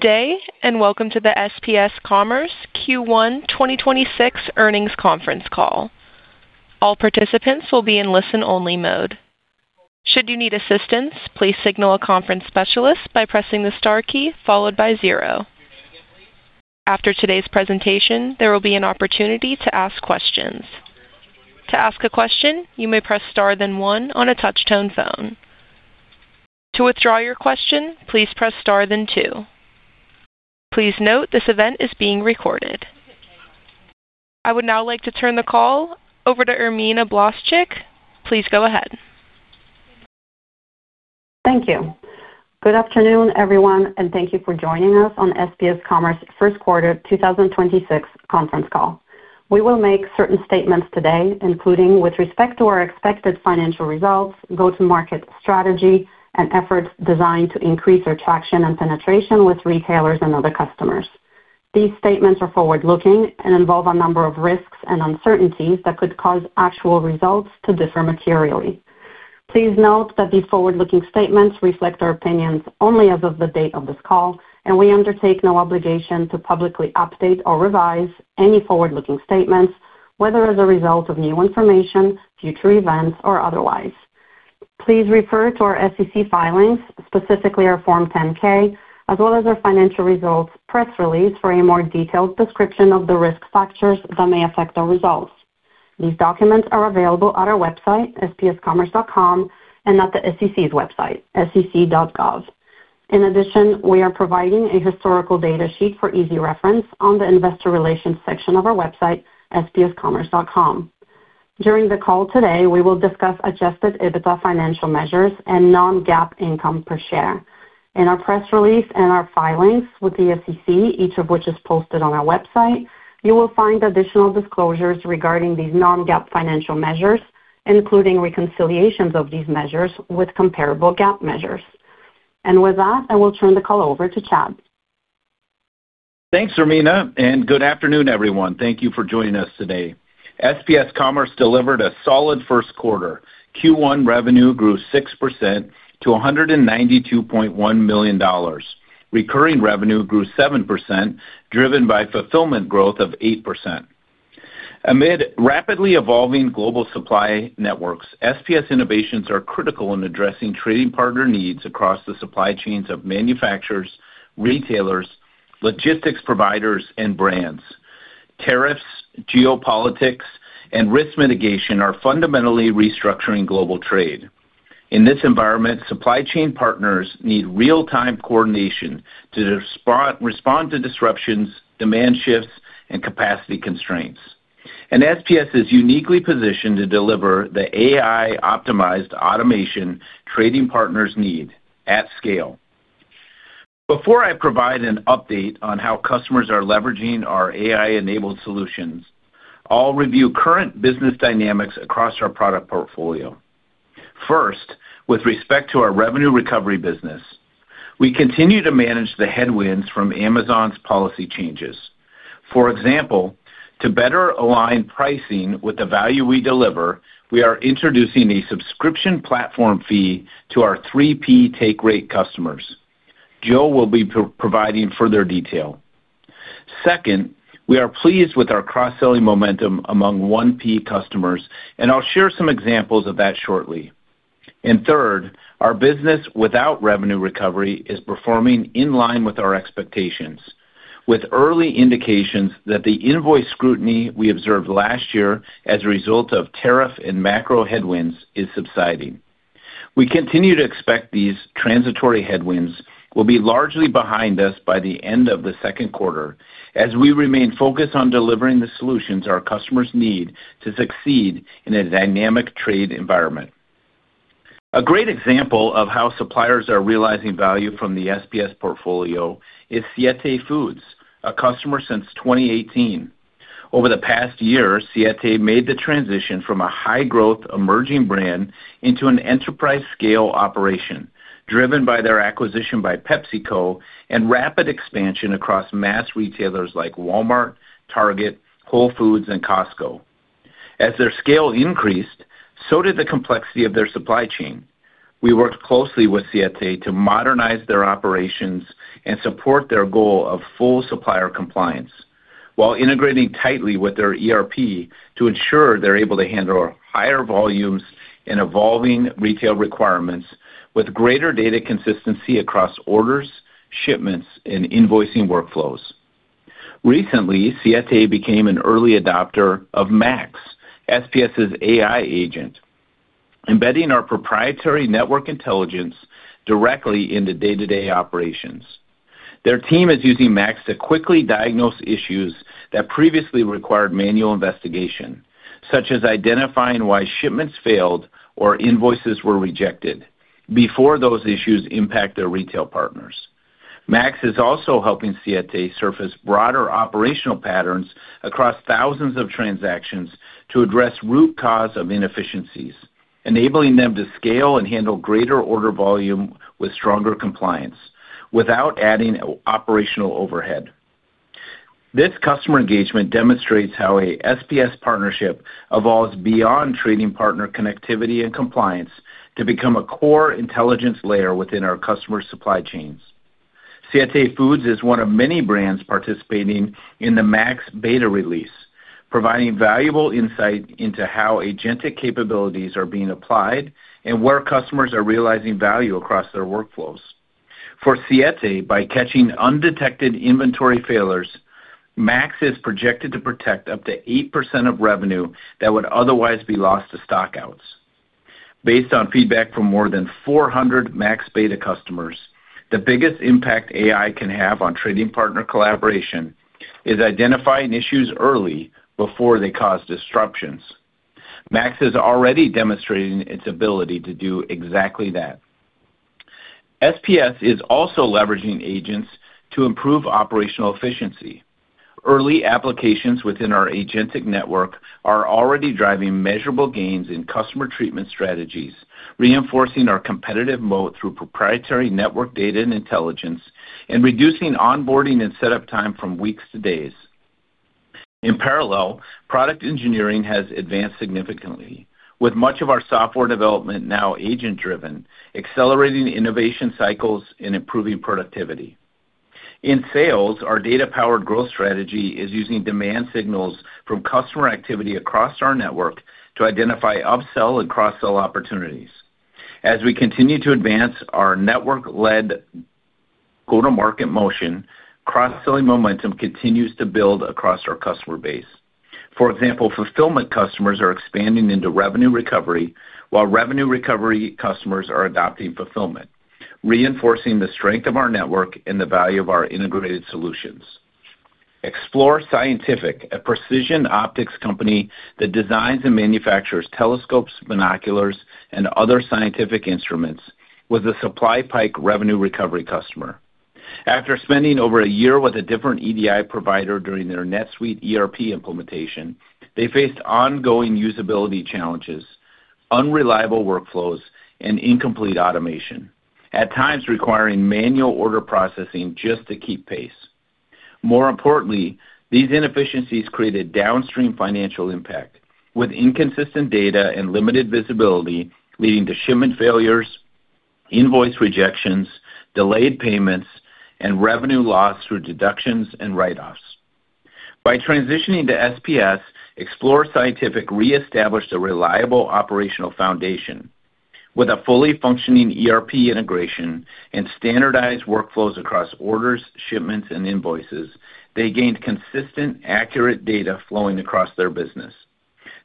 Day, and welcome to the SPS Commerce Q1 2026 earnings conference call. All participants will be in listen-only mode. Should need assistance please ignore conference specialize by pressing the star key followed by zero. After today's presentation, there will be an opportunity to ask questions. To ask a question you may press than one on the touch-tone phone. To withdraw your question, please star than two. Please note this event is being recorded. I would now like to turn the call over to Irmina Blaszczyk. Please go ahead. Thank you. Good afternoon, everyone, and thank you for joining us on SPS Commerce first quarter 2026 conference call. We will make certain statements today, including with respect to our expected financial results, go-to-market strategy, and efforts designed to increase our traction and penetration with retailers and other customers. These statements are forward-looking and involve a number of risks and uncertainties that could cause actual results to differ materially. Please note that these forward-looking statements reflect our opinions only as of the date of this call. We undertake no obligation to publicly update or revise any forward-looking statements, whether as a result of new information, future events, or otherwise. Please refer to our SEC filings, specifically our Form 10-K, as well as our financial results press release for a more detailed description of the risk factors that may affect our results. These documents are available at our website, spscommerce.com, and at the SEC's website, sec.gov. In addition, we are providing a historical data sheet for easy reference on the investor relations section of our website, spscommerce.com. During the call today, we will discuss Adjusted EBITDA financial measures and non-GAAP income per share. In our press release and our filings with the SEC, each of which is posted on our website, you will find additional disclosures regarding these non-GAAP financial measures, including reconciliations of these measures with comparable GAAP measures. With that, I will turn the call over to Chad. Thanks, Irmina. Good afternoon, everyone. Thank you for joining us today. SPS Commerce delivered a solid first quarter. Q1 revenue grew 6% to $192.1 million. Recurring revenue grew 7%, driven by fulfillment growth of 8%. Amid rapidly evolving global supply networks, SPS innovations are critical in addressing trading partner needs across the supply chains of manufacturers, retailers, logistics providers, and brands. Tariffs, geopolitics, and risk mitigation are fundamentally restructuring global trade. In this environment, supply chain partners need real-time coordination to respond to disruptions, demand shifts, and capacity constraints. SPS is uniquely positioned to deliver the AI-optimized automation trading partners need at scale. Before I provide an update on how customers are leveraging our AI-enabled solutions, I'll review current business dynamics across our product portfolio. First, with respect to our revenue recovery business, we continue to manage the headwinds from Amazon's policy changes. For example, to better align pricing with the value we deliver, we are introducing a subscription platform fee to our 3P take rate customers. Joe will be providing further detail. Second, we are pleased with our cross-selling momentum among 1P customers, and I'll share some examples of that shortly. Third, our business without revenue recovery is performing in line with our expectations, with early indications that the invoice scrutiny we observed last year as a result of tariff and macro headwinds is subsiding. We continue to expect these transitory headwinds will be largely behind us by the end of the second quarter as we remain focused on delivering the solutions our customers need to succeed in a dynamic trade environment. A great example of how suppliers are realizing value from the SPS portfolio is Siete Foods, a customer since 2018. Over the past year, Siete made the transition from a high-growth emerging brand into an enterprise-scale operation, driven by their acquisition by PepsiCo and rapid expansion across mass retailers like Walmart, Target, Whole Foods, and Costco. As their scale increased, so did the complexity of their supply chain. We worked closely with Siete to modernize their operations and support their goal of full supplier compliance while integrating tightly with their ERP to ensure they're able to handle higher volumes and evolving retail requirements with greater data consistency across orders, shipments, and invoicing workflows. Recently, Siete became an early adopter of MAX, SPS's AI agent, embedding our proprietary network intelligence directly into day-to-day operations. Their team is using MAX to quickly diagnose issues that previously required manual investigation, such as identifying why shipments failed or invoices were rejected before those issues impact their retail partners. MAX is also helping Siete surface broader operational patterns across thousands of transactions to address root cause of inefficiencies, enabling them to scale and handle greater order volume with stronger compliance without adding operational overhead. This customer engagement demonstrates how a SPS partnership evolves beyond trading partner connectivity and compliance to become a core intelligence layer within our customer supply chains. Siete Foods is one of many brands participating in the MAX beta release, providing valuable insight into how agentic capabilities are being applied and where customers are realizing value across their workflows. For Siete, by catching undetected inventory failures, MAX is projected to protect up to 8% of revenue that would otherwise be lost to stockouts. Based on feedback from more than 400 MAX beta customers, the biggest impact AI can have on trading partner collaboration is identifying issues early before they cause disruptions. MAX is already demonstrating its ability to do exactly that. SPS is also leveraging agents to improve operational efficiency. Early applications within our agentic network are already driving measurable gains in customer treatment strategies, reinforcing our competitive mode through proprietary network data and intelligence, and reducing onboarding and setup time from weeks to days. In parallel, product engineering has advanced significantly, with much of our software development now agent-driven, accelerating innovation cycles and improving productivity. In sales, our data-powered growth strategy is using demand signals from customer activity across our network to identify upsell and cross-sell opportunities. As we continue to advance our network-led go-to-market motion, cross-selling momentum continues to build across our customer base. For example, fulfillment customers are expanding into revenue recovery, while revenue recovery customers are adopting fulfillment, reinforcing the strength of our network and the value of our integrated solutions. Explore Scientific, a precision optics company that designs and manufactures telescopes, binoculars, and other scientific instruments, was a SupplyPike revenue recovery customer. After spending over a year with a different EDI provider during their NetSuite ERP implementation, they faced ongoing usability challenges, unreliable workflows, and incomplete automation, at times requiring manual order processing just to keep pace. More importantly, these inefficiencies created downstream financial impact, with inconsistent data and limited visibility leading to shipment failures, invoice rejections, delayed payments, and revenue loss through deductions and write-offs. By transitioning to SPS, Explore Scientific reestablished a reliable operational foundation. With a fully functioning ERP integration and standardized workflows across orders, shipments, and invoices, they gained consistent, accurate data flowing across their business.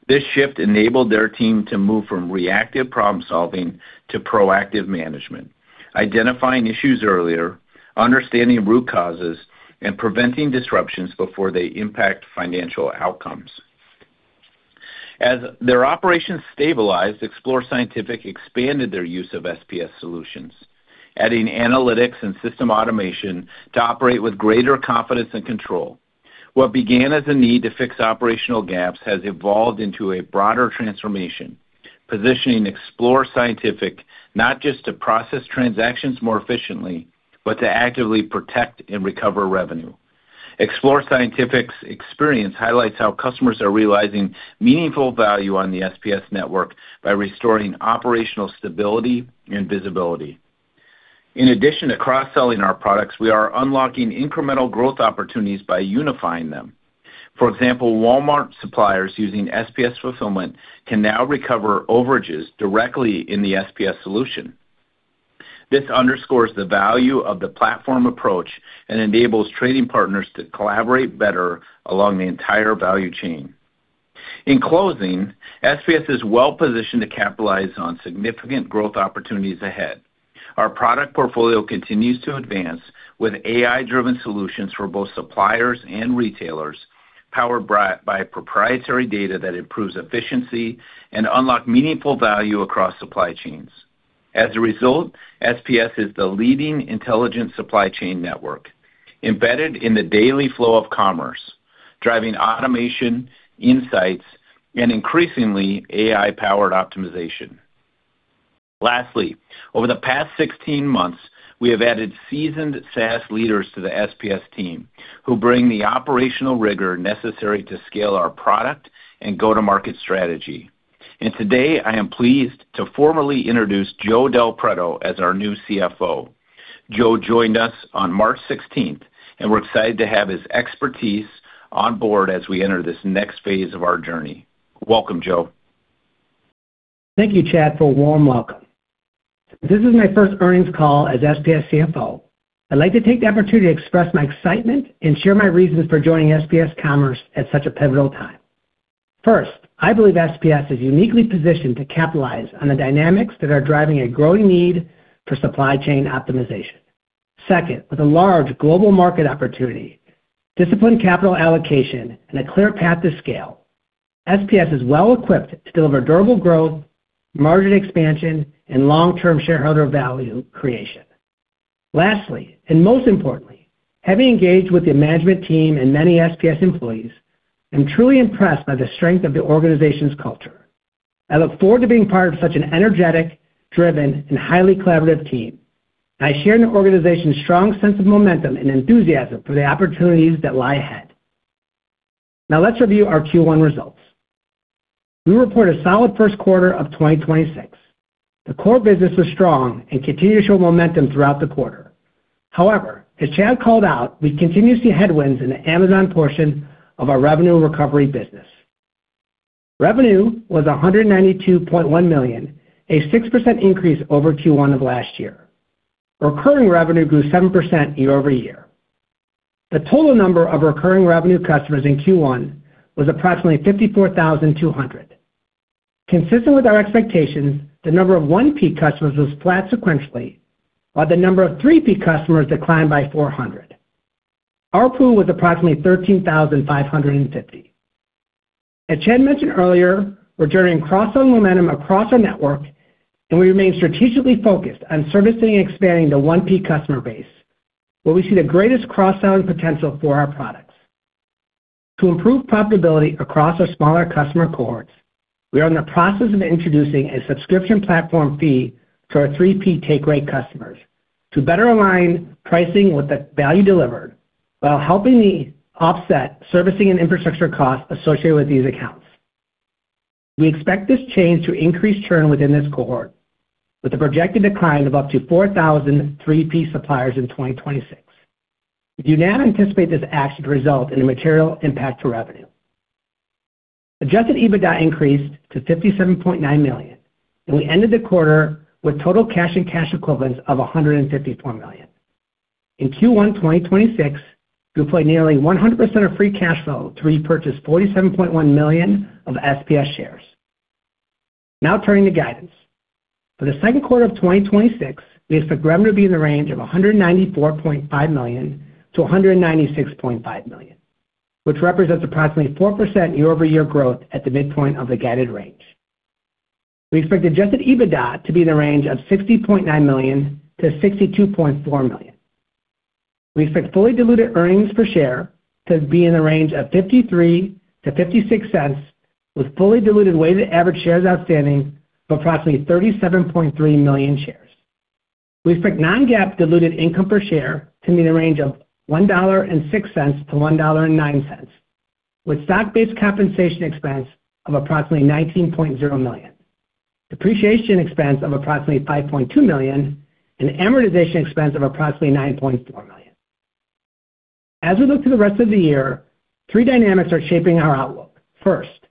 This shift enabled their team to move from reactive problem-solving to proactive management, identifying issues earlier, understanding root causes, and preventing disruptions before they impact financial outcomes. As their operations stabilized, Explore Scientific expanded their use of SPS solutions, adding analytics and system automation to operate with greater confidence and control. What began as a need to fix operational gaps has evolved into a broader transformation, positioning Explore Scientific not just to process transactions more efficiently, but to actively protect and recover revenue. Explore Scientific's experience highlights how customers are realizing meaningful value on the SPS network by restoring operational stability and visibility. In addition to cross-selling our products, we are unlocking incremental growth opportunities by unifying them. For example, Walmart suppliers using SPS Commerce Fulfillment can now recover overages directly in the SPS solution. This underscores the value of the platform approach and enables trading partners to collaborate better along the entire value chain. In closing, SPS is well-positioned to capitalize on significant growth opportunities ahead. Our product portfolio continues to advance with AI-driven solutions for both suppliers and retailers, powered by proprietary data that improves efficiency and unlock meaningful value across supply chains. As a result, SPS is the leading intelligent supply chain network embedded in the daily flow of commerce, driving automation, insights, and increasingly AI-powered optimization. Lastly, over the past 16 months, we have added seasoned SaaS leaders to the SPS team who bring the operational rigor necessary to scale our product and go-to-market strategy. Today, I am pleased to formally introduce Joe Del Preto as our new CFO. Joe joined us on March 16th. We're excited to have his expertise on board as we enter this next phase of our journey. Welcome, Joe. Thank you, Chad, for a warm welcome. This is my first earnings call as SPS CFO. I'd like to take the opportunity to express my excitement and share my reasons for joining SPS Commerce at such a pivotal time. First, I believe SPS is uniquely positioned to capitalize on the dynamics that are driving a growing need for supply chain optimization. Second, with a large global market opportunity, disciplined capital allocation, and a clear path to scale, SPS is well-equipped to deliver durable growth, margin expansion, and long-term shareholder value creation. Lastly, and most importantly, having engaged with the management team and many SPS employees, I'm truly impressed by the strength of the organization's culture. I look forward to being part of such an energetic, driven, and highly collaborative team. I share the organization's strong sense of momentum and enthusiasm for the opportunities that lie ahead. Now let's review our Q1 results. We report a solid first quarter of 2026. The core business was strong and continued to show momentum throughout the quarter. However, as Chad called out, we continue to see headwinds in the Amazon portion of our revenue recovery business. Revenue was $192.1 million, a 6% increase over Q1 of last year. Recurring revenue grew 7% YoY. The total number of recurring revenue customers in Q1 was approximately 54,200. Consistent with our expectations, the number of 1P customers was flat sequentially, while the number of 3P customers declined by 400. Our pool was approximately 13,550. As Chad mentioned earlier, we're generating cross-sell momentum across our network, and we remain strategically focused on servicing and expanding the 1P customer base, where we see the greatest cross-sell potential for our products. To improve profitability across our smaller customer cohorts, we are in the process of introducing a subscription platform fee to our 3P take rate customers to better align pricing with the value delivered while helping the offset servicing and infrastructure costs associated with these accounts. We expect this change to increase churn within this cohort with a projected decline of up to 4,000 3P suppliers in 2026. We do not anticipate this action to result in a material impact to revenue. Adjusted EBITDA increased to $57.9 million, and we ended the quarter with total cash and cash equivalents of $154 million. In Q1 2026, we deployed nearly 100% of free cash flow to repurchase $47.1 million of SPS shares. Turning to guidance. For the second quarter of 2026, we expect revenue to be in the range of $194.5 million-$196.5 million, which represents approximately 4% YoY growth at the midpoint of the guided range. We expect Adjusted EBITDA to be in the range of $60.9 million-$62.4 million. We expect fully diluted earnings per share to be in the range of $0.53-$0.56, with fully diluted weighted average shares outstanding of approximately 37.3 million shares. We expect non-GAAP diluted income per share to be in the range of $1.06-$1.09, with stock-based compensation expense of approximately $19.0 million, depreciation expense of approximately $5.2 million, and amortization expense of approximately $9.4 million. As we look to the rest of the year, three dynamics are shaping our outlook. First,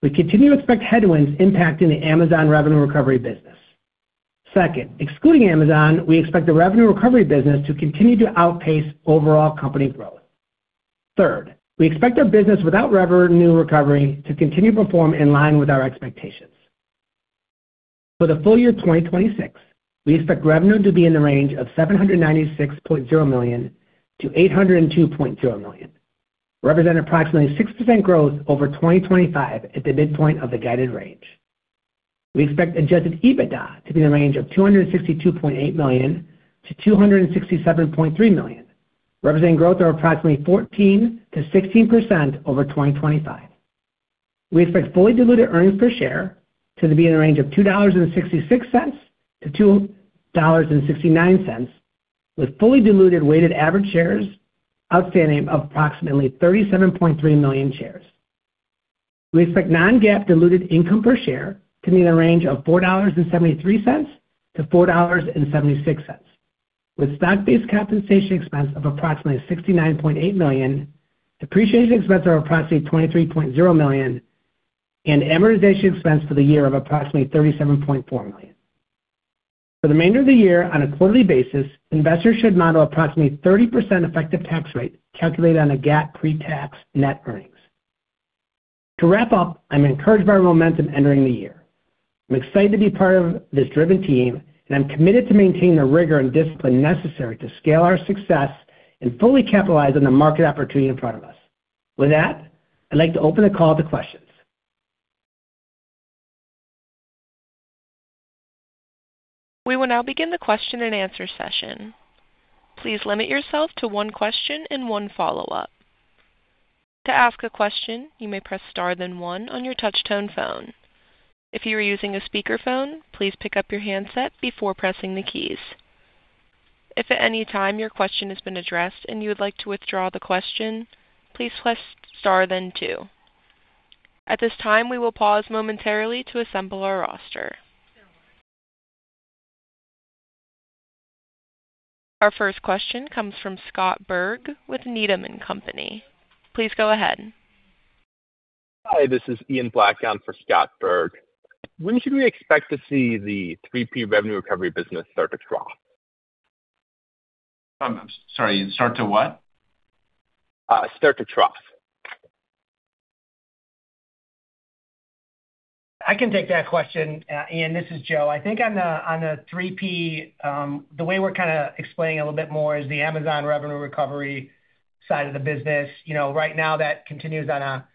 we continue to expect headwinds impacting the Amazon revenue recovery business. Second, excluding Amazon, we expect the revenue recovery business to continue to outpace overall company growth. Third, we expect our business without revenue recovery to continue to perform in line with our expectations. For the full year 2026, we expect revenue to be in the range of $796.0 million-$802.0 million, representing approximately 6% growth over 2025 at the midpoint of the guided range. We expect Adjusted EBITDA to be in the range of $262.8 million-$267.3 million, representing growth of approximately 14%-16% over 2025. We expect fully diluted earnings per share to be in the range of $2.66-$2.69, with fully diluted weighted average shares outstanding of approximately $37.3 million shares. We expect non-GAAP diluted income per share to be in the range of $4.73-$4.76, with stock-based compensation expense of approximately $69.8 million, depreciation expense of approximately $23.0 million, and amortization expense for the year of approximately $37.4 million. For the remainder of the year on a quarterly basis, investors should model approximately 30% effective tax rate calculated on a GAAP pre-tax net earnings. To wrap up, I'm encouraged by our momentum entering the year. I'm excited to be part of this driven team, and I'm committed to maintaining the rigor and discipline necessary to scale our success and fully capitalize on the market opportunity in front of us. With that, I'd like to open the call to questions. We will now begin the question-and-answer session. Please limit yourself to one question and one follow-up. To ask a question you may press star than one on the touch-tone phone. If you're using your speaker phone, please to cap your heads up before pressing the keys. If any time your questions has been address and would like to withdraw the question, please press star than two. At this time, we will pause momentarily to assemble our roster. Our first question comes from Scott Berg with Needham & Company. Please go ahead. Hi, this is Ian Black for Scott Berg. When should we expect to see the 3P revenue recovery business start to trough? Sorry, start to what? start to trough. I can take that question. Ian, this is Joe. I think on the 3P, the way we're kinda explaining a little bit more is the Amazon revenue recovery side of the business. You know, right now that continues on a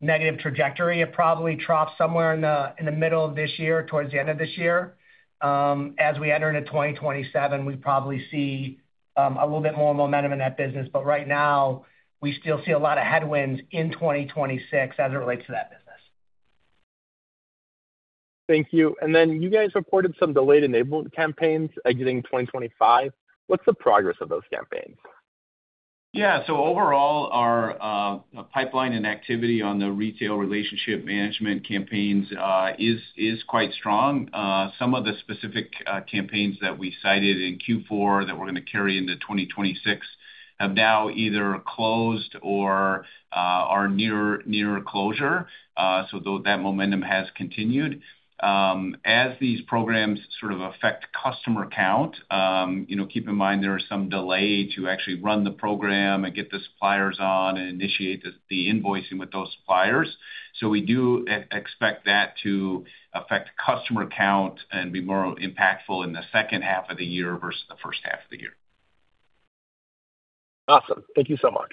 negative trajectory. It probably troughs somewhere in the middle of this year, towards the end of this year. As we enter into 2027, we probably see a little bit more momentum in that business. Right now, we still see a lot of headwinds in 2026 as it relates to that business. Thank you. You guys reported some delayed enablement campaigns exiting 2025. What's the progress of those campaigns? Overall, our pipeline and activity on the retail relationship management campaigns is quite strong. Some of the specific campaigns that we cited in Q4 that we're gonna carry into 2026 have now either closed or are near closure. That momentum has continued. As these programs sort of affect customer count, you know, keep in mind there is some delay to actually run the program and get the suppliers on and initiate the invoicing with those suppliers. We do expect that to affect customer count and be more impactful in the second half of the year versus the first half of the year. Awesome. Thank you so much.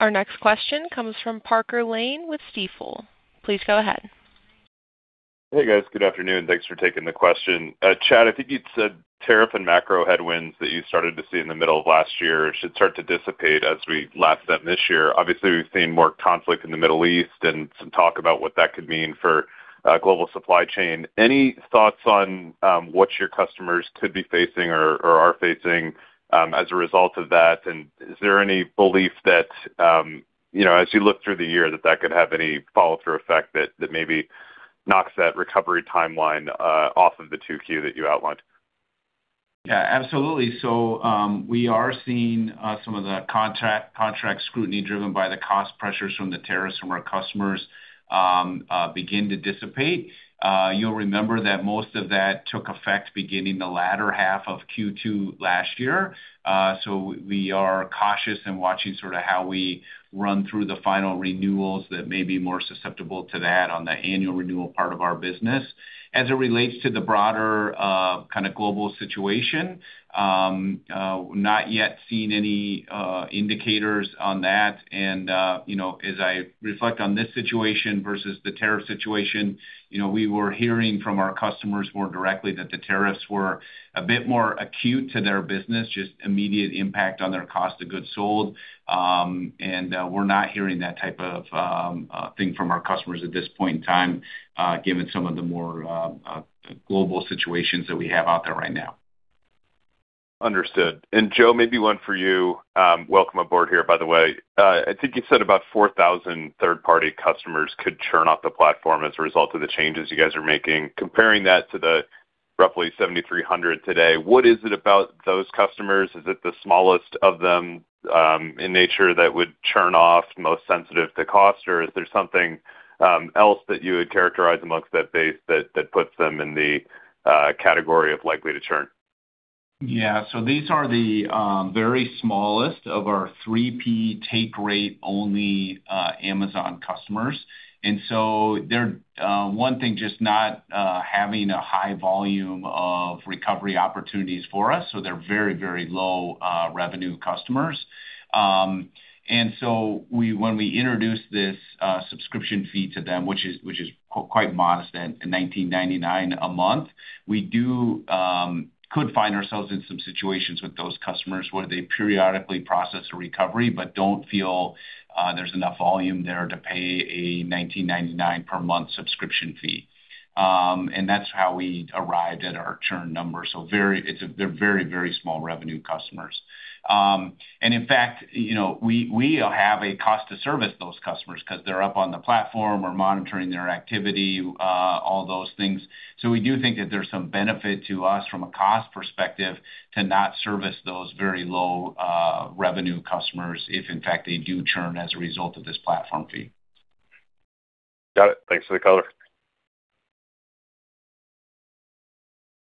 Our next question comes from Parker Lane with Stifel. Please go ahead. Hey, guys. Good afternoon. Thanks for taking the question. Chad, I think you said tariff and macro headwinds that you started to see in the middle of last year should start to dissipate as we lap them this year. Obviously, we've seen more conflict in the Middle East and some talk about what that could mean for global supply chain. Any thoughts on what your customers could be facing or are facing as a result of that? Is there any belief that, you know, as you look through the year, that that could have any follow-through effect that maybe knocks that recovery timeline off of the 2Q that you outlined? Yeah, absolutely. We are seeing some of the contract scrutiny driven by the cost pressures from the tariffs from our customers begin to dissipate. You'll remember that most of that took effect beginning the latter half of Q2 last year. We are cautious and watching sort of how we run through the final renewals that may be more susceptible to that on the annual renewal part of our business. As it relates to the broader kind of global situation, not yet seen any indicators on that. You know, as I reflect on this situation versus the tariff situation, you know, we were hearing from our customers more directly that the tariffs were a bit more acute to their business, just immediate impact on their cost of goods sold. We're not hearing that type of thing from our customers at this point in time, given some of the more global situations that we have out there right now. Understood. Joe, maybe one for you. Welcome aboard here, by the way. I think you said about 4,000 third-party customers could churn off the platform as a result of the changes you guys are making. Comparing that to the roughly 7,300 today, what is it about those customers? Is it the smallest of them, in nature that would churn off most sensitive to cost, or is there something else that you would characterize amongst that base that puts them in the category of likely to churn? Yeah. These are the very smallest of our 3P take rate only Amazon customers. They're one thing just not having a high volume of recovery opportunities for us, so they're very, very low revenue customers. When we introduce this subscription fee to them, which is quite modest at $19.99 a month, we do find ourselves in some situations with those customers where they periodically process a recovery but don't feel there's enough volume there to pay a $19.99 per month subscription fee. That's how we arrived at our churn number. They're very, very small revenue customers. In fact, you know, we have a cost to service those customers 'cause they're up on the platform or monitoring their activity, all those things. We do think that there's some benefit to us from a cost perspective to not service those very low revenue customers if in fact they do churn as a result of this platform fee. Got it. Thanks for the color.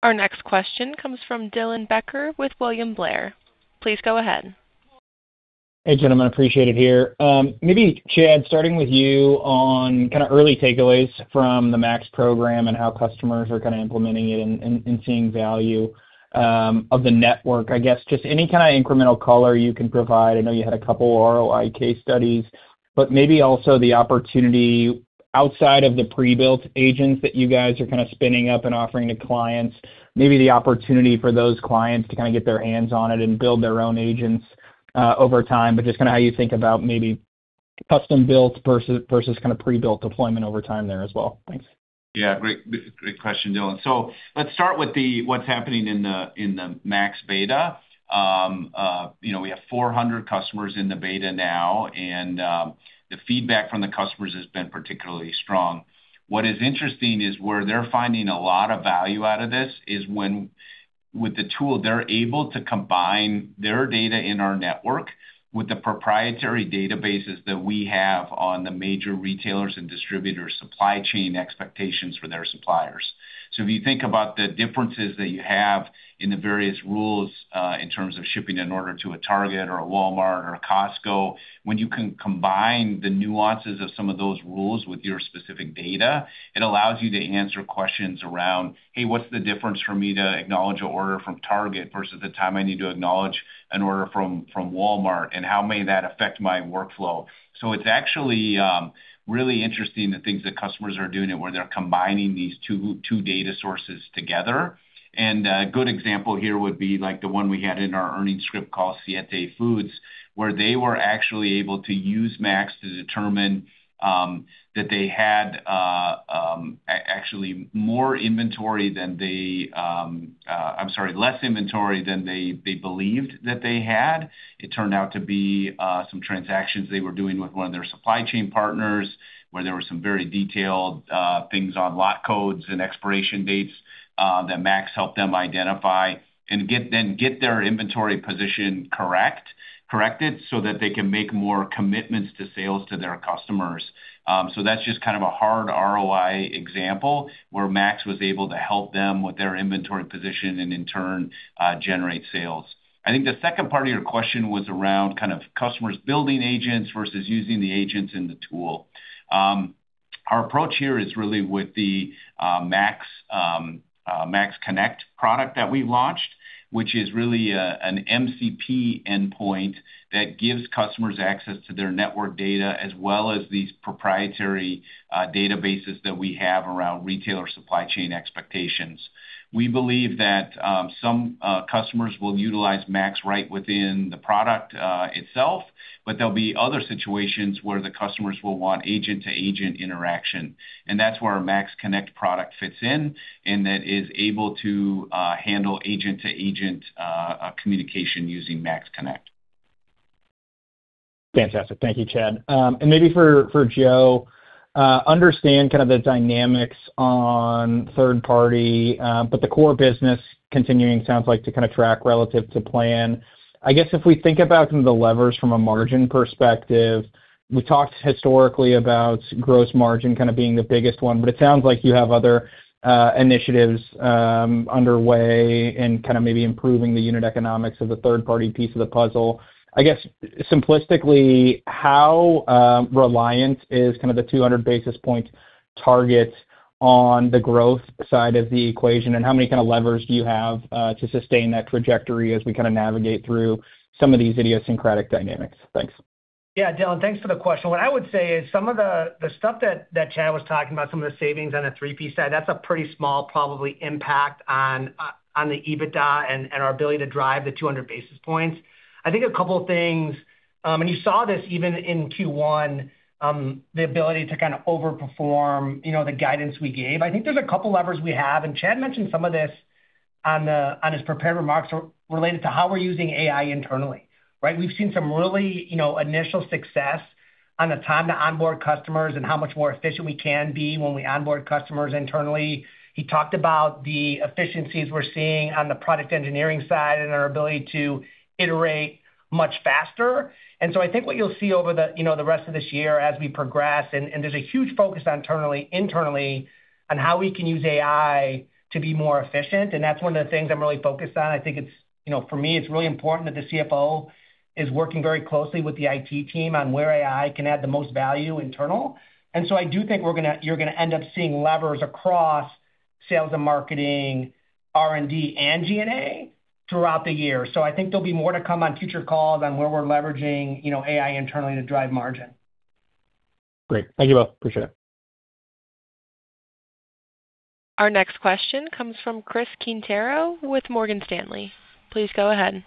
Our next question comes from Dylan Becker with William Blair. Please go ahead. Hey, gentlemen, appreciate it here. Maybe Chad, starting with you on kinda early takeaways from the MAX program and how customers are kinda implementing it and seeing value of the network. I guess just any kinda incremental color you can provide. I know you had a couple ROI case studies, but maybe also the opportunity outside of the pre-built agents that you guys are kinda spinning up and offering to clients, maybe the opportunity for those clients to kinda get their hands on it and build their own agents over time, but just kinda how you think about maybe custom-built versus kinda pre-built deployment over time there as well. Thanks. Great question, Dylan. Let's start with what's happening in the MAX beta. You know, we have 400 customers in the beta now, the feedback from the customers has been particularly strong. What is interesting is where they're finding a lot of value out of this is when with the tool, they're able to combine their data in our network with the proprietary databases that we have on the major retailers' and distributors' supply chain expectations for their suppliers. If you think about the differences that you have in the various rules, in terms of shipping an order to a Target or a Walmart or a Costco, when you can combine the nuances of some of those rules with your specific data, it allows you to answer questions around, "Hey, what's the difference for me to acknowledge an order from Target versus the time I need to acknowledge an order from Walmart, and how may that affect my workflow?" It's actually, really interesting the things that customers are doing and where they're combining these two data sources together. A good example here would be like the one we had in our earnings script call, Siete Foods, where they were actually able to use MAX to determine that they had actually more inventory than they, I'm sorry, less inventory than they believed that they had. It turned out to be some transactions they were doing with one of their supply chain partners, where there were some very detailed things on lot codes and expiration dates that MAX helped them identify and then get their inventory position corrected so that they can make more commitments to sales to their customers. That's just kind of a hard ROI example where MAX was able to help them with their inventory position and in turn generate sales. I think the second part of your question was around kind of customers building agents versus using the agents in the tool. Our approach here is really with the MAX Connect product that we launched, which is really an MCP endpoint that gives customers access to their network data as well as these proprietary databases that we have around retailer supply chain expectations. We believe that some customers will utilize MAX right within the product itself, but there'll be other situations where the customers will want agent-to-agent interaction, and that's where our MAX Connect product fits in, and that is able to handle agent-to-agent communication using MAX Connect. Fantastic. Thank you, Chad. Maybe for Joe, understand kind of the dynamics on third party, the core business continuing sounds like to kind of track relative to plan. I guess if we think about some of the levers from a margin perspective, we talked historically about gross margin kind of being the biggest one, it sounds like you have other, initiatives, underway and kind of maybe improving the unit economics of the third-party piece of the puzzle. I guess simplistically, how, reliant is kind of the 200 basis point target on the growth side of the equation, how many kind of levers do you have, to sustain that trajectory as we kind of navigate through some of these idiosyncratic dynamics? Thanks. Yeah, Dylan, thanks for the question. What I would say is some of the stuff that Chad was talking about, some of the savings on the 3P side, that's a pretty small probably impact on the EBITDA and our ability to drive the 200 basis points. I think a couple of things, and you saw this even in Q1, the ability to kind of over-perform, you know, the guidance we gave. I think there's a couple levers we have, and Chad mentioned some of this on his prepared remarks related to how we're using AI internally, right? We've seen some really, you know, initial success on the time to onboard customers and how much more efficient we can be when we onboard customers internally. He talked about the efficiencies we're seeing on the product engineering side and our ability to iterate much faster. I think what you'll see over the, you know, the rest of this year as we progress and there's a huge focus internally on how we can use AI to be more efficient, and that's one of the things I'm really focused on. I think it's, you know, for me, it's really important that the CFO is working very closely with the IT team on where AI can add the most value internally. I do think you're gonna end up seeing levers across sales and marketing, R&D, and G&A throughout the year. I think there'll be more to come on future calls on where we're leveraging, you know, AI internally to drive margin. Great. Thank you both. Appreciate it. Our next question comes from Chris Quintero with Morgan Stanley. Please go ahead.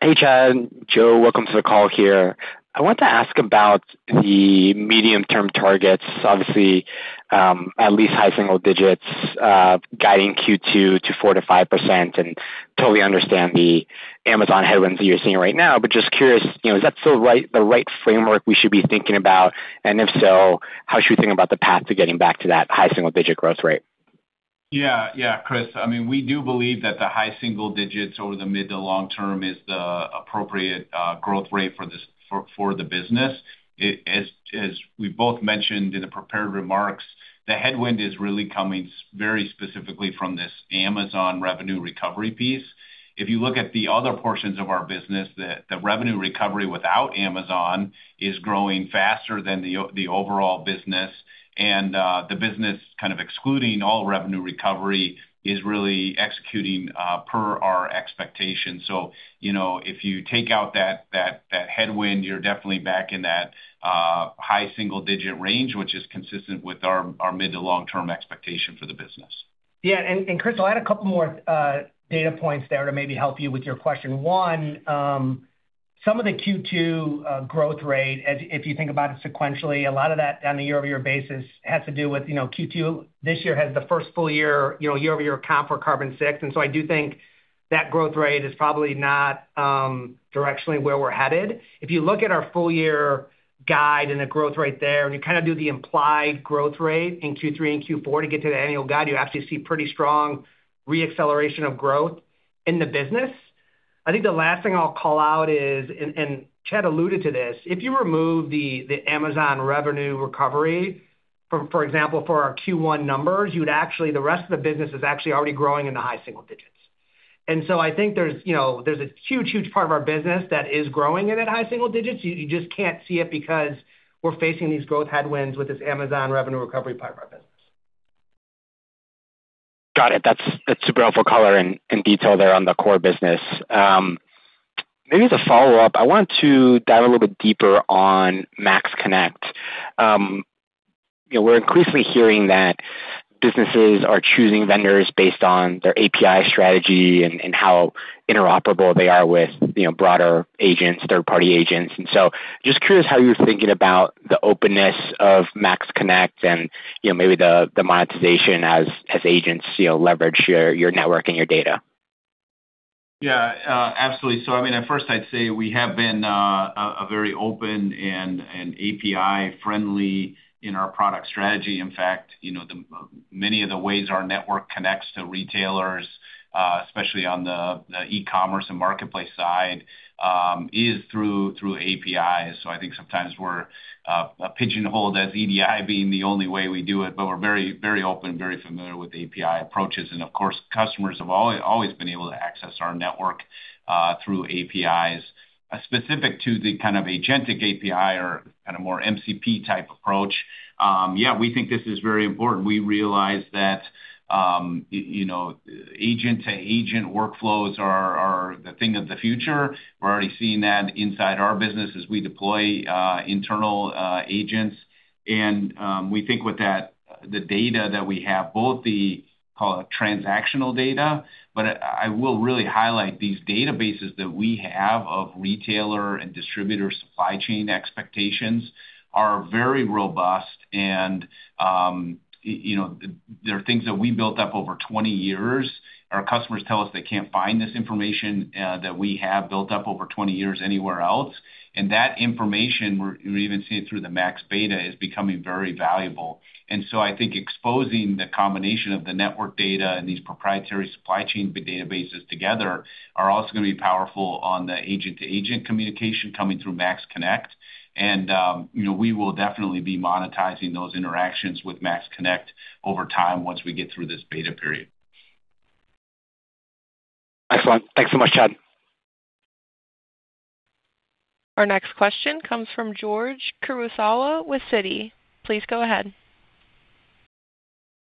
Hey, Chad, Joe. Welcome to the call here. I want to ask about the medium-term targets. Obviously, at least high single digits, guiding Q2 to 4%-5%, and totally understand the Amazon headwinds that you're seeing right now. Just curious, you know, is that still the right framework we should be thinking about? If so, how should we think about the path to getting back to that high single-digit growth rate? Yeah. Yeah, Chris. I mean, we do believe that the high single digits over the mid to long term is the appropriate growth rate for the business. As we both mentioned in the prepared remarks, the headwind is really coming very specifically from this Amazon revenue recovery piece. If you look at the other portions of our business, the revenue recovery without Amazon is growing faster than the overall business. The business kind of excluding all revenue recovery is really executing per our expectations. You know, if you take out that headwind, you're definitely back in that high single-digit range, which is consistent with our mid to long-term expectation for the business. Yeah. Chris, I'll add a couple more data points there to maybe help you with your question. One, some of the Q2 growth rate, if you think about it sequentially, a lot of that on the YoY basis has to do with, you know, Q2 this year has the first full year, you know, YoY comp for Carbon6. So, I do think that growth rate is probably not directionally where we're headed. If you look at our full-year guide and the growth rate there, and you kind of do the implied growth rate in Q3 and Q4 to get to the annual guide, you actually see pretty strong re-acceleration of growth in the business. I think the last thing I'll call out is, and Chad alluded to this, if you remove the Amazon revenue recovery, for example, for our Q1 numbers, you would actually the rest of the business is actually already growing in the high single digits. I think there's, you know, there's a huge part of our business that is growing it at high single digits. You just can't see it because we're facing these growth headwinds with this Amazon revenue recovery part of our business. Got it. That's super helpful color and detail there on the core business. Maybe as a follow-up, I wanted to dive a little bit deeper on MAX Connect. You know, we're increasingly hearing that businesses are choosing vendors based on their API strategy and how interoperable they are with, you know, broader agents, third-party agents. Just curious how you're thinking about the openness of MAX Connect and, you know, the monetization as agents, you know, leverage your network and your data. Absolutely. I mean, at first I'd say we have been a very open and API-friendly in our product strategy. In fact, you know, many of the ways our network connects to retailers, especially on the e-commerce and marketplace side, is through APIs. I think sometimes we're pigeonholed as EDI being the only way we do it, but we're very open, very familiar with API approaches. Of course, customers have always been able to access our network through APIs. Specific to the kind of agentic API or kind of more MCP type approach, we think this is very important. We realize that, you know, agent-to-agent workflows are the thing of the future. We're already seeing that inside our business as we deploy internal agents. We think with that, the data that we have, both the call it transactional data, but I will really highlight these databases that we have of retailer and distributor supply chain expectations are very robust and, you know, there are things that we built up over 20 years. Our customers tell us they can't find this information that we have built up over 20 years anywhere else, and that information, we're even seeing it through the MAX beta, is becoming very valuable. I think exposing the combination of the network data and these proprietary supply chain databases together are also gonna be powerful on the agent-to-agent communication coming through MAX Connect. You know, we will definitely be monetizing those interactions with MAX Connect over time once we get through this beta period. Excellent. Thanks so much, Chad. Our next question comes from George Kurosawa with Citi. Please go ahead.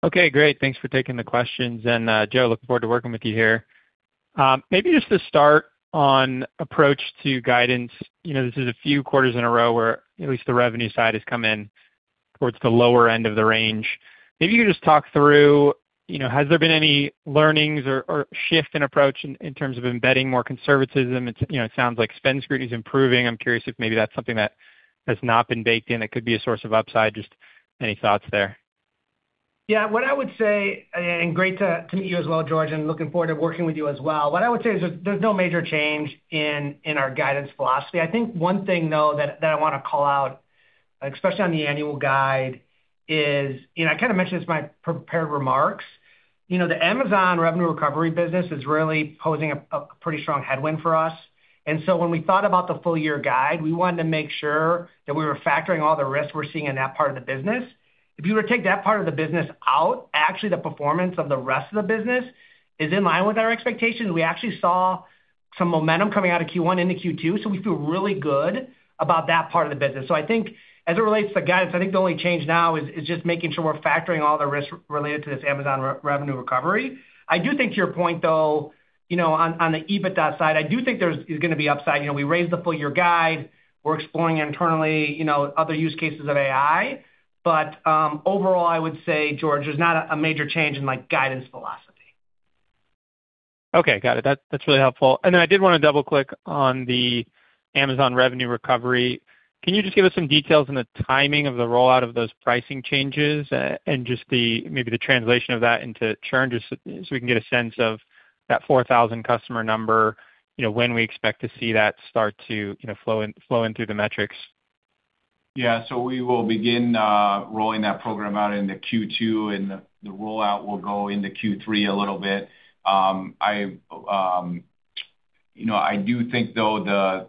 Okay, great. Thanks for taking the questions. Joe, look forward to working with you here. Maybe just to start on approach to guidance. You know, this is a few quarters in a row where at least the revenue side has come in towards the lower end of the range. Maybe you could just talk through, you know, has there been any learnings or shift in approach in terms of embedding more conservatism? It's, you know, it sounds like spend scrutiny is improving. I'm curious if maybe that's something that has not been baked in, that could be a source of upside. Just any thoughts there? Yeah. What I would say, and great to meet you as well, George, and looking forward to working with you as well. What I would say is there's no major change in our guidance philosophy. I think one thing, though, that I wanna call out, especially on the annual guide, is, you know, I kinda mentioned this in my prepared remarks. You know, the Amazon revenue recovery business is really posing a pretty strong headwind for us. When we thought about the full year guide, we wanted to make sure that we were factoring all the risks we're seeing in that part of the business. If you were to take that part of the business out, actually the performance of the rest of the business is in line with our expectations. We actually saw some momentum coming out of Q1 into Q2, so we feel really good about that part of the business. I think as it relates to guidance, I think the only change now is just making sure we're factoring all the risks related to this Amazon revenue recovery. I do think to your point, though, you know, on the EBITDA side, I do think there's gonna be upside. You know, we raised the full year guide. We're exploring internally, you know, other use cases of AI. Overall, I would say, George, there's not a major change in my guidance philosophy. Okay. Got it. That's really helpful. I did wanna double-click on the Amazon revenue recovery. Can you just give us some details on the timing of the rollout of those pricing changes, and just the maybe the translation of that into churn, just so we can get a sense of that 4,000 customer number, you know, when we expect to see that start to, you know, flow in through the metrics? Yeah. We will begin rolling that program out into Q2, and the rollout will go into Q3 a little bit. I, you know, I do think, though,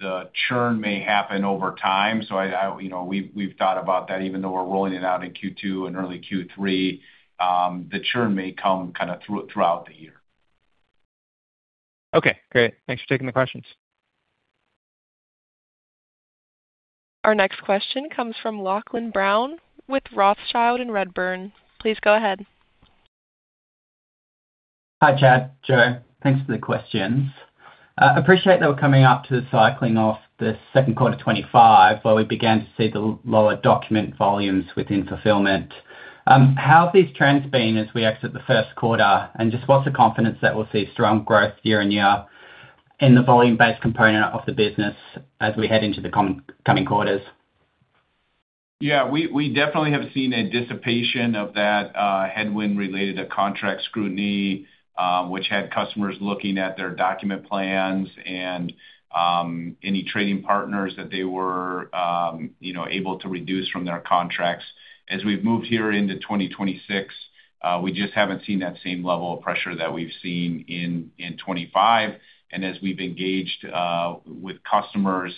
the churn may happen over time, so I, you know, we've thought about that. Even though we're rolling it out in Q2 and early Q3, the churn may come kinda throughout the year. Okay, great. Thanks for taking the questions. Our next question comes from Lachlan Brown with Rothschild & Redburn. Please go ahead. Hi, Chad, Joe. Thanks for the questions. Appreciate that we're coming up to the cycling of the second quarter 2025, where we began to see the lower document volumes within fulfillment. How have these trends been as we exit the first quarter? Just what's the confidence that we'll see strong growth year-on-year in the volume-based component of the business as we head into the coming quarters? Yeah, we definitely have seen a dissipation of that headwind related to contract scrutiny, which had customers looking at their document plans and any trading partners that they were, you know, able to reduce from their contracts. As we've moved here into 2026, we just haven't seen that same level of pressure that we've seen in 2025. As we've engaged with customers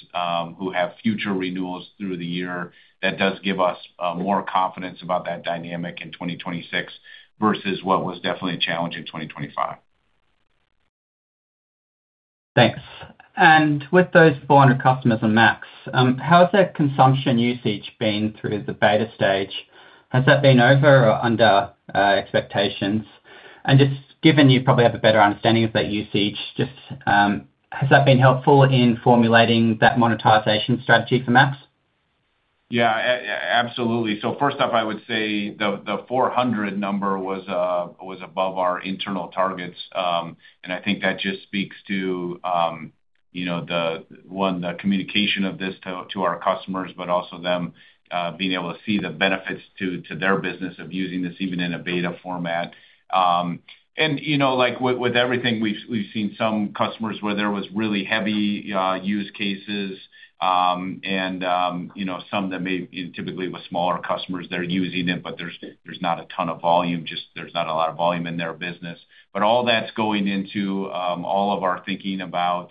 who have future renewals through the year, that does give us more confidence about that dynamic in 2026 versus what was definitely a challenge in 2025. Thanks. With those 400 customers on MAX, how has their consumption usage been through the beta stage? Has that been over or under expectations? Just given you probably have a better understanding of that usage, just, has that been helpful in formulating that monetization strategy for MAX? Yeah, absolutely. First off, I would say the 400 number was above our internal targets. I think that just speaks to, you know, the one, the communication of this to our customers, but also them being able to see the benefits to their business of using this even in a beta format. You know, like with everything, we've seen some customers where there was really heavy use cases. You know, some that may, typically with smaller customers, they're using it, but there's not a ton of volume, just there's not a lot of volume in their business. All that's going into all of our thinking about,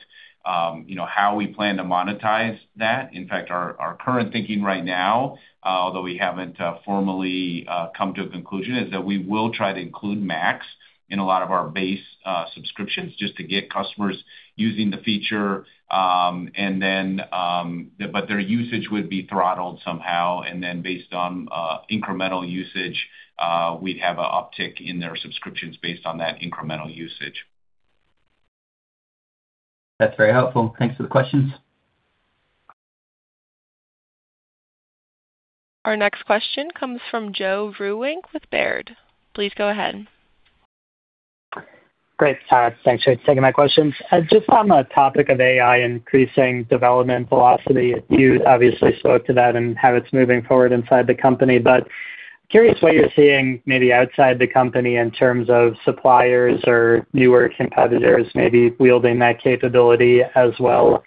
you know, how we plan to monetize that. In fact, our current thinking right now, although we haven't formally come to a conclusion, is that we will try to include MAX in a lot of our base subscriptions just to get customers using the feature. Their usage would be throttled somehow, and then based on incremental usage, we'd have an uptick in their subscriptions based on that incremental usage. That's very helpful. Thanks for the questions. Our next question comes from Joe Vruwink with Baird. Please go ahead. Great. Thanks for taking my questions. Just on the topic of AI increasing development velocity, you obviously spoke to that and how it's moving forward inside the company. Curious what you're seeing maybe outside the company in terms of suppliers or newer competitors maybe wielding that capability as well.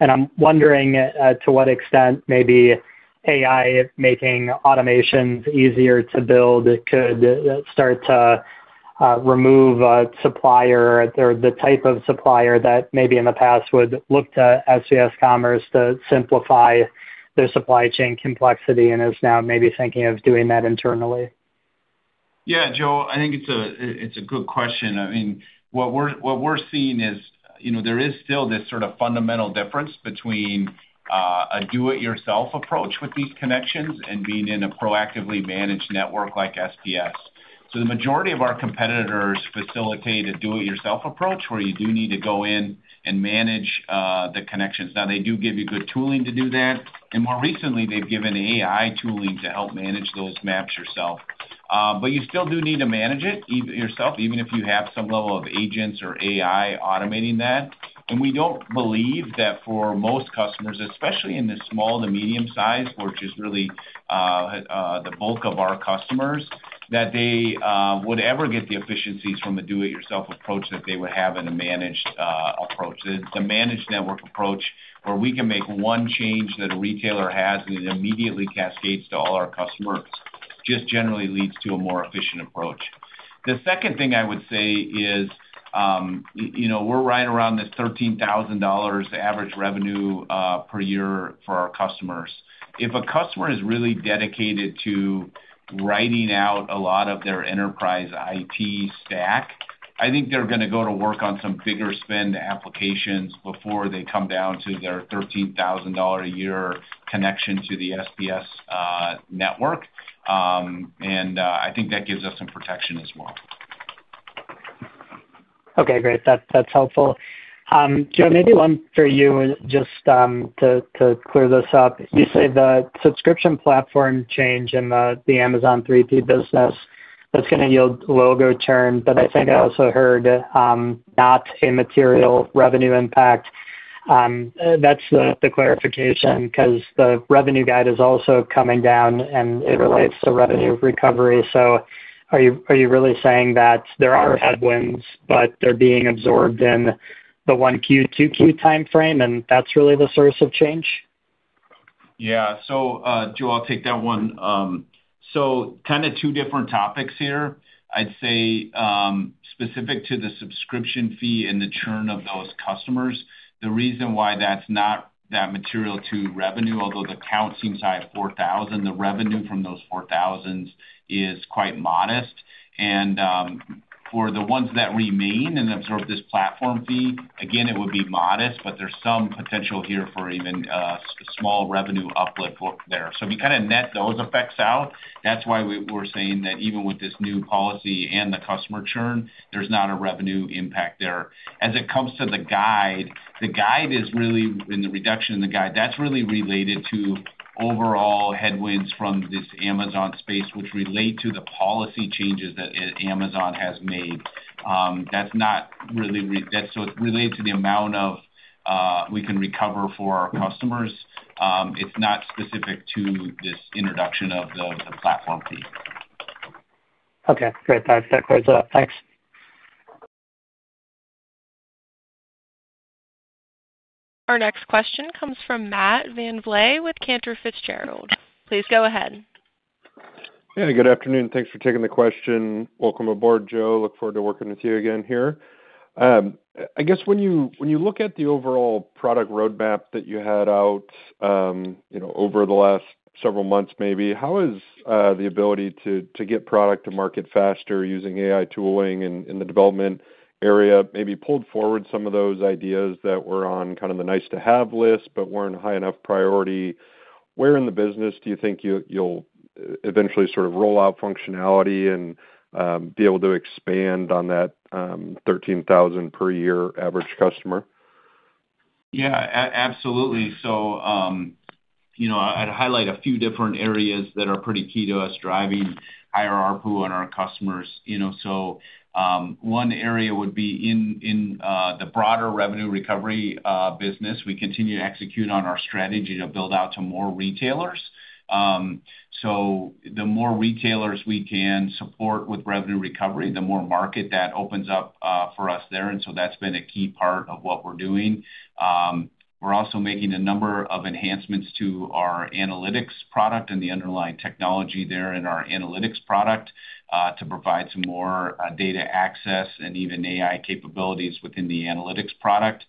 I'm wondering to what extent maybe AI making automations easier to build could start to remove a supplier or the type of supplier that maybe in the past would look to SPS Commerce to simplify their supply chain complexity and is now maybe thinking of doing that internally. Yeah, Joe, I think it's a good question. I mean, what we're seeing is, you know, there is still this sort of fundamental difference between a do-it-yourself approach with these connections and being in a proactively managed network like SPS. The majority of our competitors facilitate a do-it-yourself approach where you do need to go in and manage the connections. Now, they do give you good tooling to do that, and more recently, they've given AI tooling to help manage those maps yourself. You still do need to manage it yourself, even if you have some level of agents or AI automating that. We don't believe that for most customers, especially in the small to medium size, which is really the bulk of our customers, that they would ever get the efficiencies from a do-it-yourself approach that they would have in a managed approach. The managed network approach, where we can make one change that a retailer has, and it immediately cascades to all our customers, just generally leads to a more efficient approach. The second thing I would say is, you know, we're right around this $13,000 average revenue per year for our customers. If a customer is really dedicated to writing out a lot of their enterprise IT stack, I think they're gonna go to work on some bigger spend applications before they come down to their $13,000 a year connection to the SPS network. I think that gives us some protection as well. Okay, great. That's helpful. Joe, maybe one for you just to clear this up. You say the subscription platform change in the Amazon 3P business, that's gonna yield logo churn, but I think I also heard not a material revenue impact. That's the clarification 'cause the revenue guide is also coming down, and it relates to revenue recovery. Are you really saying that there are headwinds, but they're being absorbed in the 1Q, 2Q timeframe, and that's really the source of change? Yeah. Joe, I'll take that one. Kind of two different topics here. I'd say, specific to the subscription fee and the churn of those customers, the reason why that's not that material to revenue, although the count seems high at 4,000, the revenue from those 4,000 is quite modest. For the ones that remain and absorb this platform fee, again, it would be modest, but there's some potential here for even a small revenue uplift for there. If you kind of net those effects out, that's why we're saying that even with this new policy and the customer churn, there's not a revenue impact there. As it comes to the guide, the guide is really and the reduction in the guide, that's really related to overall headwinds from this Amazon space, which relate to the policy changes that Amazon has made. That's not really. It's related to the amount of we can recover for our customers. It's not specific to this introduction of the platform fee. Okay. Great. That clears it up. Thanks. Our next question comes from Matt VanVliet with Cantor Fitzgerald. Please go ahead. Yeah, good afternoon. Thanks for taking the question. Welcome aboard, Joe. Look forward to working with you again here. I guess when you look at the overall product roadmap that you had out, over the last several months maybe, how has the ability to get product to market faster using AI tooling in the development area maybe pulled forward some of those ideas that were on kind of the nice to have list but weren't high enough priority? Where in the business do you think you'll eventually sort of roll out functionality and be able to expand on that $13,000 per year average customer? Yeah, absolutely. You know, I'd highlight a few different areas that are pretty key to us driving higher ARPU on our customers. You know, one area would be in the broader revenue recovery business. We continue to execute on our strategy to build out to more retailers. The more retailers we can support with revenue recovery, the more market that opens up for us there. That's been a key part of what we're doing. We're also making a number of enhancements to our Analytics product and the underlying technology there in our Analytics product, to provide some more data access and even AI capabilities within the Analytics product,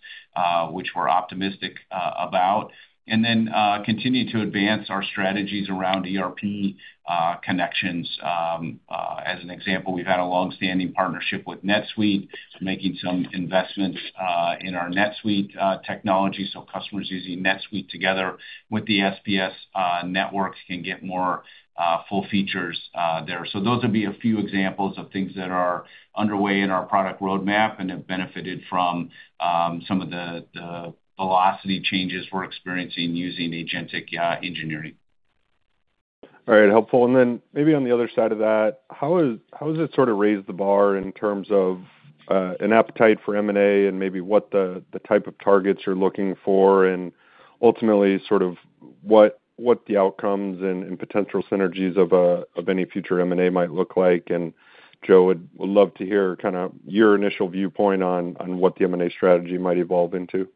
which we're optimistic about. We continue to advance our strategies around ERP connections. As an example, we've had a long-standing partnership with NetSuite, making some investments in our NetSuite technology. Customers using NetSuite together with the SPS networks can get more full features there. Those would be a few examples of things that are underway in our product roadmap and have benefited from some of the velocity changes we're experiencing using agentic engineering. All right. Helpful. Then maybe on the other side of that, how does it sort of raise the bar in terms of an appetite for M&A and maybe what the type of targets you're looking for and ultimately sort of what the outcomes and potential synergies of any future M&A might look like? Joe, would love to hear kind of your initial viewpoint on what the M&A strategy might evolve into.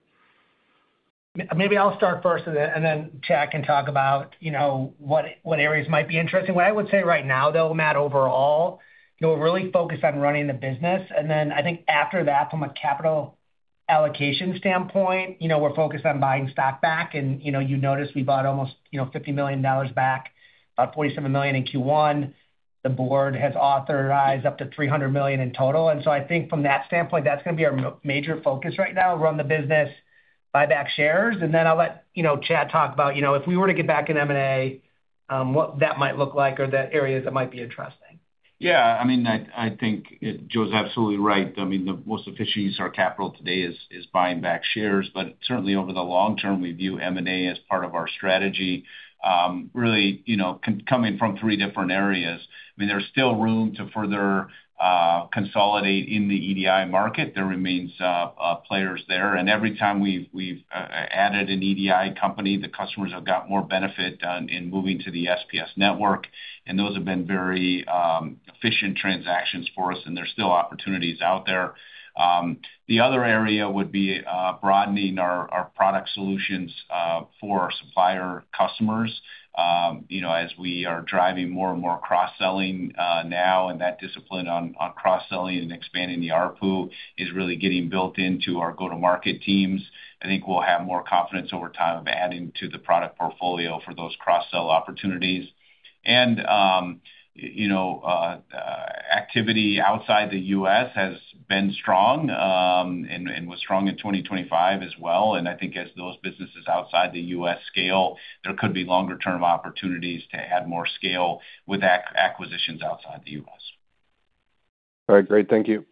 I'll start first and then Chad can talk about, you know, what areas might be interesting. I would say right now though, Matt, overall, you know, we're really focused on running the business. Then I think after that, from a capital allocation standpoint, you know, we're focused on buying stock back. You noticed we bought almost, you know, $50 million back, $47 million in Q1. The board has authorized up to $300 million in total. I think from that standpoint, that's gonna be our major focus right now, run the business, buy back shares. Then I'll let, you know, Chad talk about, you know, if we were to get back in M&A, what that might look like or the areas that might be interesting. Yeah, I mean, I think Joe's absolutely right. I mean, the most efficient use of our capital today is buying back shares. Certainly, over the long term, we view M&A as part of our strategy, really, you know, coming from three different areas. I mean, there's still room to further consolidate in the EDI market. There remains players there. Every time we've added an EDI company, the customers have got more benefit in moving to the SPS network, and those have been very efficient transactions for us, and there's still opportunities out there. The other area would be broadening our product solutions for our supplier customers. You know, as we are driving more and more cross-selling, now and that discipline on cross-selling and expanding the ARPU is really getting built into our go-to-market teams. I think we'll have more confidence over time of adding to the product portfolio for those cross-sell opportunities. You know, activity outside the U.S. has been strong, and was strong in 2025 as well. I think as those businesses outside the U.S. scale, there could be longer term opportunities to add more scale with acquisitions outside the U.S. All right. Great. Thank you.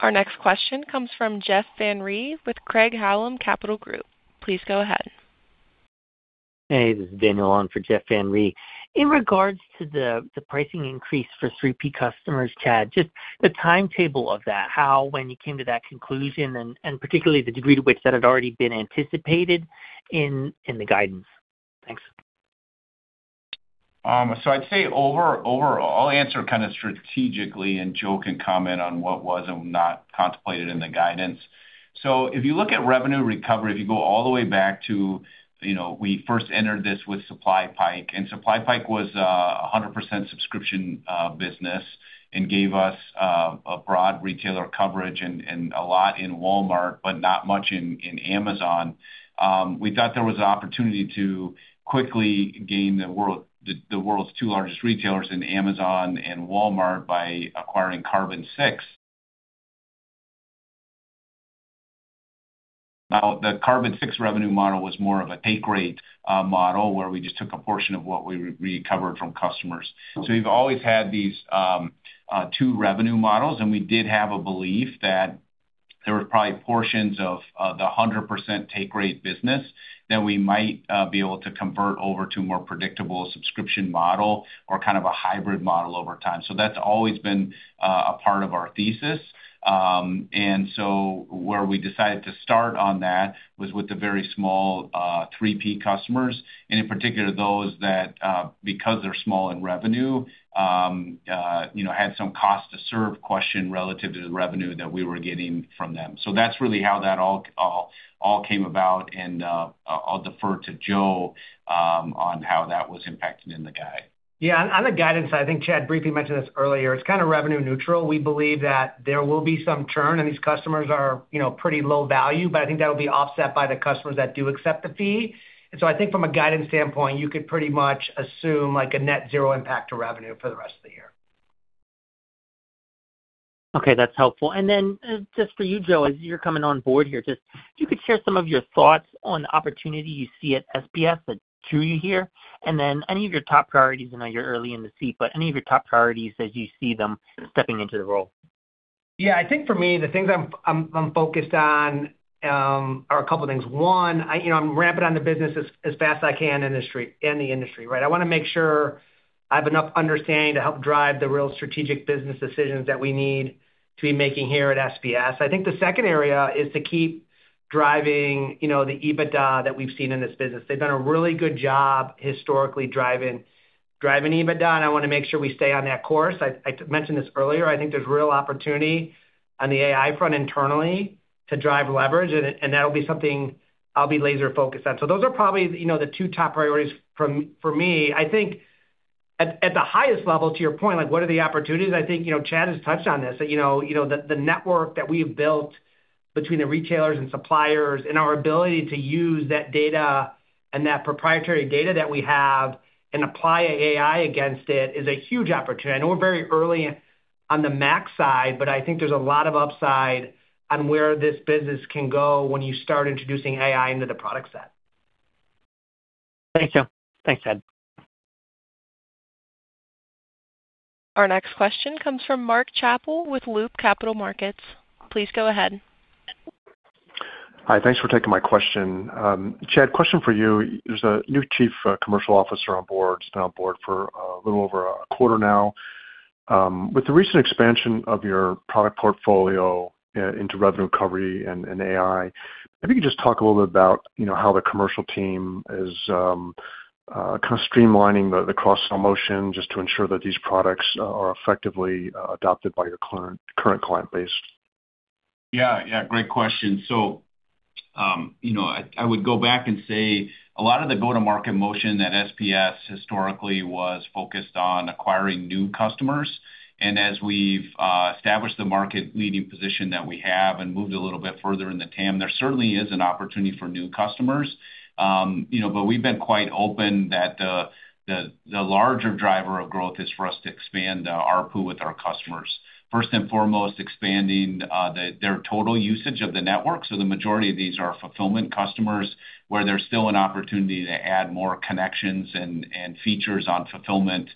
Our next question comes from Jeff Van Rhee with Craig-Hallum Capital Group. Please go ahead. Hey, this is Daniel on for Jeff Van Rhee. In regards to the pricing increase for 3P customers, Chad, just the timetable of that, how when you came to that conclusion and particularly the degree to which that had already been anticipated in the guidance. Thanks. I'd say overall, I'll answer kind of strategically and Joe can comment on what was and was not contemplated in the guidance. If you look at revenue recovery, if you go all the way back to, you know, we first entered this with SupplyPike, and SupplyPike was a 100% subscription business and gave us a broad retailer coverage and a lot in Walmart, but not much in Amazon. We thought there was an opportunity to quickly gain the world's two largest retailers in Amazon and Walmart by acquiring Carbon6. Now, the Carbon6 revenue model was more of a take rate model, where we just took a portion of what we recovered from customers. We've always had these, two revenue models, and we did have a belief that there was probably portions of the 100% take rate business that we might be able to convert over to a more predictable subscription model or kind of a hybrid model over time. That's always been a part of our thesis. Where we decided to start on that was with the very small 3P customers, and in particular, those that, because they're small in revenue, you know, had some cost to serve question relative to the revenue that we were getting from them. That's really how that all came about. I'll defer to Joe on how that was impacted in the guide. Yeah, on the guidance side, I think Chad briefly mentioned this earlier. It's kind of revenue neutral. We believe that there will be some churn, and these customers are, you know, pretty low value, but I think that'll be offset by the customers that do accept the fee. I think from a guidance standpoint, you could pretty much assume like a net zero impact to revenue for the rest of the year. Okay. That's helpful. Just for you, Joe, as you're coming on board here, just if you could share some of your thoughts on the opportunity you see at SPS that drew you here, and then any of your top priorities. I know you're early in the seat, but any of your top priorities as you see them stepping into the role. Yeah. I think for me, the things I'm focused on are a couple things. One, I, you know, I'm ramping on the business as fast as I can in the industry, right? I wanna make sure I have enough understanding to help drive the real strategic business decisions that we need to be making here at SPS. I think the second area is to keep driving, you know, the EBITDA that we've seen in this business. They've done a really good job historically driving EBITDA, and I wanna make sure we stay on that course. I mentioned this earlier, I think there's real opportunity on the AI front internally to drive leverage, and that'll be something I'll be laser focused on. So those are probably, you know, the two top priorities for me. I think at the highest level, to your point, like what are the opportunities? I think, you know, Chad has touched on this. You know, the network that we've built between the retailers and suppliers and our ability to use that data and that proprietary data that we have and apply AI against it is a huge opportunity. I know we're very early on the MAX side, but I think there's a lot of upside on where this business can go when you start introducing AI into the product set. Thank you. Thanks, Chad. Our next question comes from Mark Schappel with Loop Capital Markets. Please go ahead. Hi. Thanks for taking my question. Chad, question for you. There's a new Chief Commercial Officer on board, has been on board for a little over a quarter now. With the recent expansion of your product portfolio into revenue recovery and AI, maybe you can just talk a little bit about, you know, how the commercial team is kind of streamlining the cross-sell motion just to ensure that these products are effectively adopted by your current client base. Yeah. Yeah, great question. You know, I would go back and say a lot of the go-to-market motion that SPS historically was focused on acquiring new customers. As we've established the market-leading position that we have and moved a little bit further in the TAM, there certainly is an opportunity for new customers. You know, we've been quite open that the larger driver of growth is for us to expand ARPU with our customers, first and foremost, expanding their total usage of the network. The majority of these are fulfillment customers, where there's still an opportunity to add more connections and features on fulfillment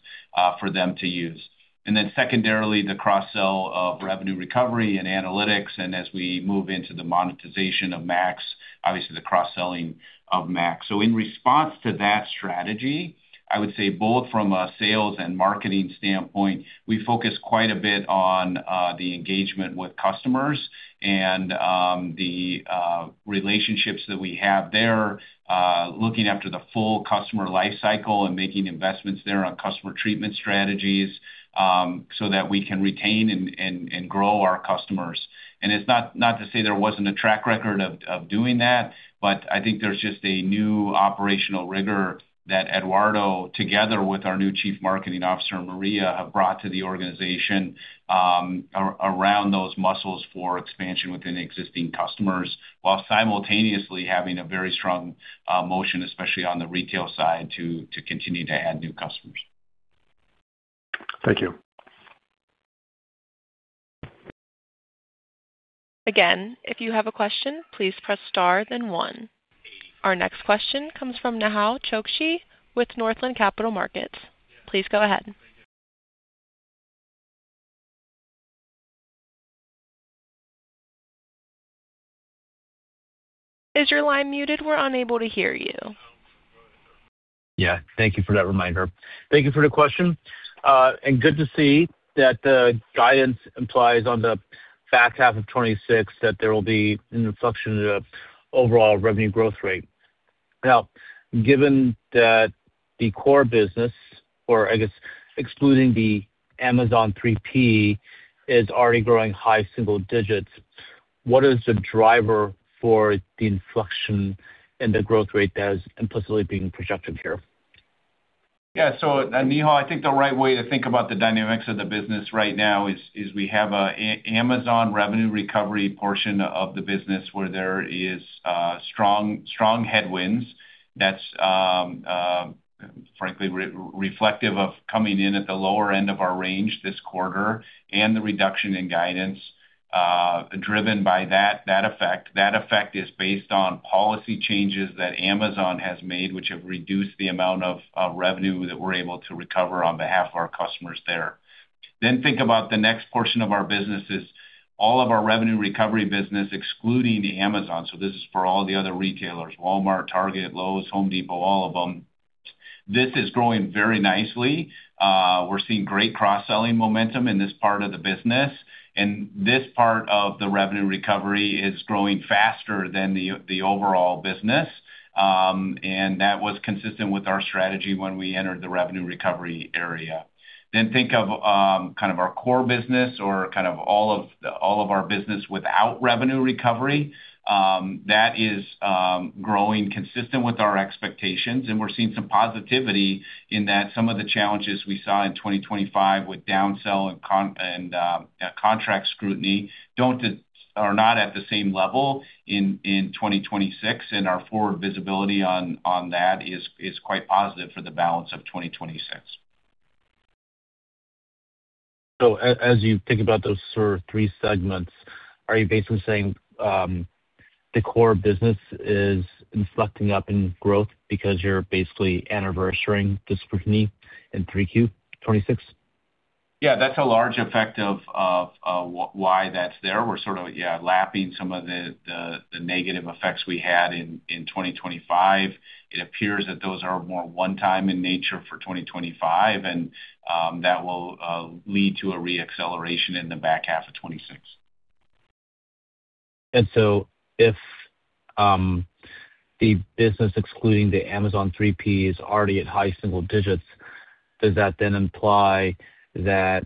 for them to use. Then secondarily, the cross-sell of revenue recovery and analytics, and as we move into the monetization of MAX, obviously the cross-selling of MAX. In response to that strategy, I would say both from a sales and marketing standpoint, we focus quite a bit on the engagement with customers and the relationships that we have there, looking after the full customer life cycle and making investments there on customer treatment strategies, so that we can retain and grow our customers. It's not to say there wasn't a track record of doing that, but I think there's just a new operational rigor that Eduardo, together with our new Chief Marketing Officer, Maria, have brought to the organization, around those muscles for expansion within existing customers, while simultaneously having a very strong motion, especially on the retail side, to continue to add new customers. Thank you. Again, if you have a question, please press star then one. Our next question comes from Nehal Chokshi with Northland Capital Markets. Please go ahead. Is your line muted? We're unable to hear you. Yeah. Thank you for that reminder. Thank you for the question. Good to see that the guidance implies on the back half of 2026 that there will be an inflection in the overall revenue growth rate. Now, given that the core business or I guess excluding the Amazon 3P is already growing high single digits, what is the driver for the inflection in the growth rate that is implicitly being projected here? Nehal, I think the right way to think about the dynamics of the business right now is we have a Amazon revenue recovery portion of the business where there is strong headwinds that's frankly reflective of coming in at the lower end of our range this quarter and the reduction in guidance driven by that effect. That effect is based on policy changes that Amazon has made, which have reduced the amount of revenue that we're able to recover on behalf of our customers there. Think about the next portion of our business is all of our revenue recovery business, excluding Amazon. This is for all the other retailers, Walmart, Target, Lowe's, Home Depot, all of them. This is growing very nicely. We're seeing great cross-selling momentum in this part of the business, and this part of the revenue recovery is growing faster than the overall business. That was consistent with our strategy when we entered the revenue recovery area. Think of kind of our core business or kind of all of our business without revenue recovery. That is growing consistent with our expectations, and we're seeing some positivity in that some of the challenges we saw in 2025 with down-sell and contract scrutiny are not at the same level in 2026. Our forward visibility on that is quite positive for the balance of 2026. As you think about those sort of three segments, are you basically saying, the core business is inflecting up in growth because you're basically anniversarying the scrutiny in 3Q 2026? Yeah. That's a large effect of why that's there. We're sort of, yeah, lapping some of the negative effects we had in 2025. It appears that those are more one-time in nature for 2025, that will lead to a re-acceleration in the back half of 2026. If the business excluding the Amazon 3P is already at high single digits, does that then imply that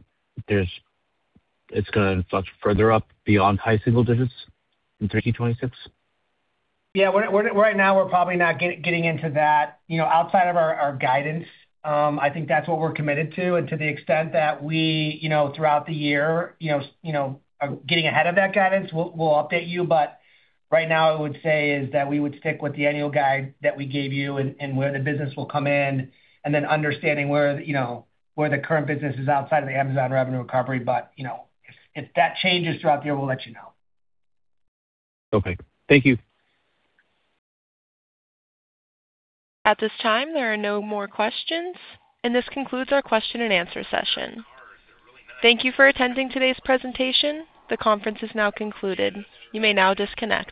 it's gonna inflect further up beyond high single digits in 3Q 2026? Yeah. We're Right now we're probably not getting into that. You know, outside of our guidance, I think that's what we're committed to. To the extent that we, you know, throughout the year, you know, are getting ahead of that guidance, we'll update you. Right now, I would say is that we would stick with the annual guide that we gave you and where the business will come in and then understanding where, you know, where the current business is outside of the Amazon revenue recovery. You know, if that changes throughout the year, we'll let you know. Okay. Thank you. At this time, there are no more questions, and this concludes our question and answer session. Thank you for attending today's presentation. The conference is now concluded. You may now disconnect.